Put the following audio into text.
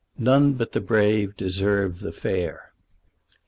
NONE BUT THE BRAVE DESERVE THE FAIR.